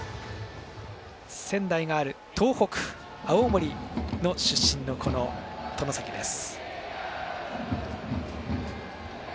仙台のある東北青森の出身のこの外崎です。